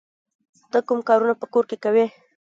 ته کوم کارونه په کور کې کوې؟